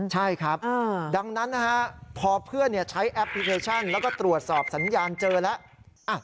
ใช่ครับดังนั้นนะฮะพอเพื่อนใช้แอปพลิเคชันแล้วก็ตรวจสอบสัญญาณเจอแล้ว